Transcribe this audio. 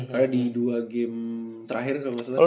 karena di dua game terakhir